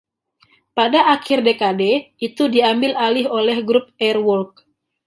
Pada akhir dekade, itu diambil alih oleh grup Airwork.